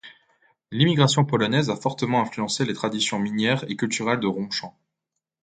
L'immigration polonaise a fortement influencé les traditions minières et culturelles de Ronchamp.